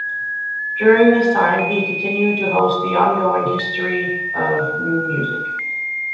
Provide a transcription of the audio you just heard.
During this time he continued to host "The Ongoing History of New Music".